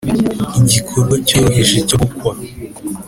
igikorwa cyoroheje cyo gukwa